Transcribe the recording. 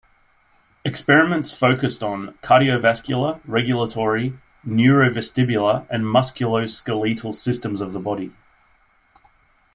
Experiments focused on cardiovascular, regulatory, neurovestibular and musculoskeletal systems of the body.